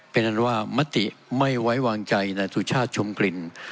เพราะฉะนั้นว่ามัธิไม่ไว้วางใจในตัวชาติชมกลิ่น